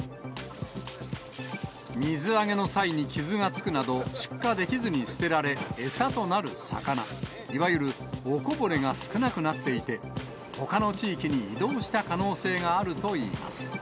水揚げの際に傷がつくなど、出荷できずに捨てられ、餌となる魚、いわゆるおこぼれが少なくなっていて、ほかの地域に移動した可能性があるといいます。